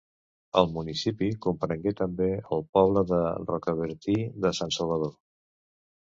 El municipi comprengué, també, el poble de Rocabertí de Sant Salvador.